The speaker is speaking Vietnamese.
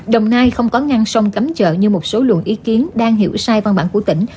đồng nai không có ngăn sông cắm chợ như một số luận ý kiến đang hiểu sai văn bản của tỉnh